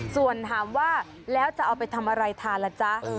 ส่วนถามว่าแล้วจะเอาไปทำอะไรทานล่ะจ๊ะ